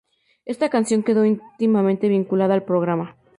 Esta canción quedó íntimamente vinculada al programa.